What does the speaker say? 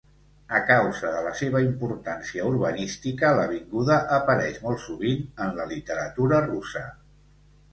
A causa de la seva importància urbanística, l'avinguda apareix molt sovint en la literatura russa.